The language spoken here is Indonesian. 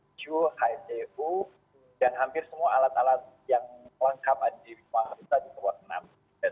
icum hcu dan hampir semua alat alat yang lengkap ada di tower enam